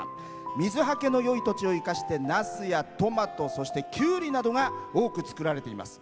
水はけのよい土地を生かしてナスやトマトキュウリなどが多く作られています。